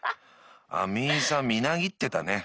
亜美伊さんみなぎってたね。